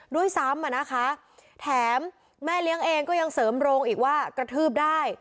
ด้วยซ้ำอ่ะนะคะแถมแม่เลี้ยงเองก็ยังเสริมโรงอีกว่ากระทืบได้